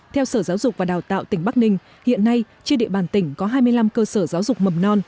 theo sở giáo dục và đào tạo tỉnh bắc ninh hiện nay trên địa bàn tỉnh có hai mươi năm cơ sở giáo dục mầm non